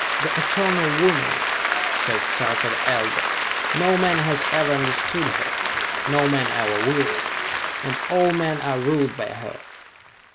"The eternal woman!" said Sarka the Elder. "No man has ever understood her no man ever will! And all men are ruled by her!"